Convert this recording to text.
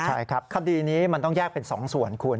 ใช่ครับคดีนี้มันต้องแยกเป็น๒ส่วนคุณ